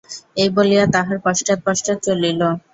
এই বলিয়া তাহার পশ্চাৎ পশ্চাৎ চলিল।